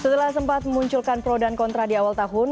setelah sempat memunculkan pro dan kontra di awal tahun